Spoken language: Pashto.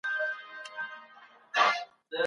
بهرنۍ پالیسي د هیواد د حاکمیت ساتونکې ده.